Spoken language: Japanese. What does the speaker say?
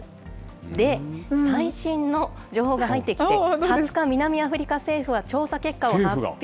で、最新の情報が入ってきて、２０日、南アフリカ政府は調査結果を発表。